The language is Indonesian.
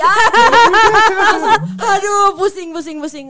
aduh pusing pusing pusing